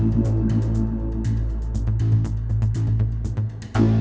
สวัสดีทุกคน